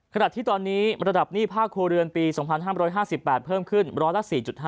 ขณะที่ตอนนี้ระดับหนี้ภาคครัวเรือนปี๒๕๕๘เพิ่มขึ้นร้อยละ๔๕